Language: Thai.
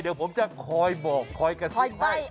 เดี๋ยวผมจะคอยบอกคอยกระซิบให้